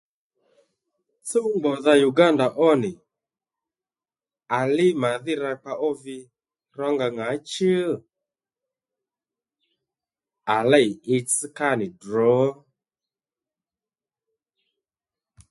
Tsúw gbódha Uganda ó à líy màdhí rakpa ó vi rónga ŋǎchú? À lêy itsś ká nì drǒ